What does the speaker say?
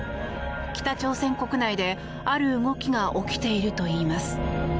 北朝鮮国内である動きが起きているといいます。